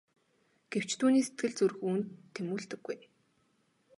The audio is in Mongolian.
Гэвч түүний сэтгэл зүрх үүнд тэмүүлдэггүй.